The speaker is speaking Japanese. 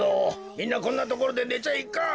みんなこんなところでねちゃいかん。